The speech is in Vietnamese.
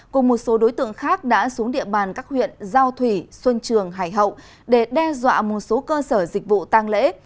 cùng một số đối tượng khác đã xuống địa bàn các huyện giao thủy xuân trường hải hậu để đe dọa một số cơ sở dịch vụ tăng lễ